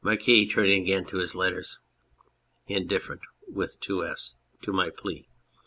MARQUIS (turning again to his letters). " Indifferent" (with two f's) "to my plea.